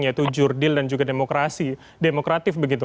yaitu jurdil dan juga demokrasi demokratis begitu